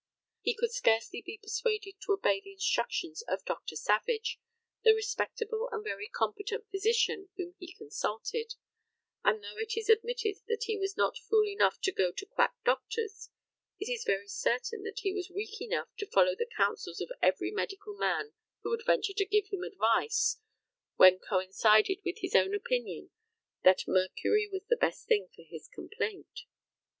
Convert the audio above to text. He could scarcely be persuaded to obey the instructions of Dr. Savage, the respectable and very competent physician whom he consulted, and, though it is admitted that he was not "fool enough to go to quack doctors," it is very certain that he was weak enough to follow the counsels of every medical man who would venture to give him advice when coincided with his own opinion that mercury was the best thing for his complaint.